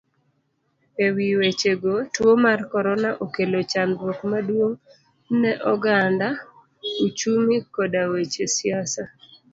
Ewi wechego, tuo mar korona okelo chandruok maduong ne oganda, uchumi koda weche siasa.